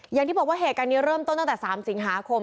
อย่างที่บอกว่าเหตุการณ์นี้เริ่มต้นตั้งแต่๓สิงหาคม